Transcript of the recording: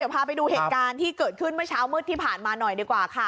พาไปดูเหตุการณ์ที่เกิดขึ้นเมื่อเช้ามืดที่ผ่านมาหน่อยดีกว่าค่ะ